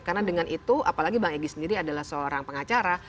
karena dengan itu apalagi bang egy sendiri adalah seorang pengacara